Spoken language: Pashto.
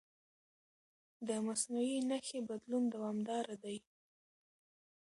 د مصنوعي نښې بدلون دوامداره دی.